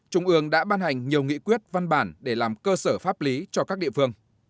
trung ương đã ban hành nhiều nghị quyết văn bản để làm cơ sở pháp lý cho các địa phương